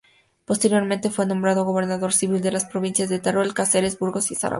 Posteriormente fue nombrado gobernador civil de las provincias de Teruel, Cáceres, Burgos y Zaragoza.